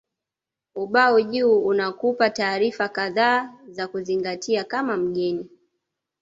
Ubao juu unakupa taarifa kadhaa za kuzingatia kama mgeni